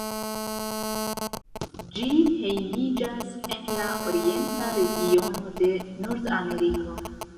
Ĝi hejmiĝas en la orienta regiono de Nordameriko.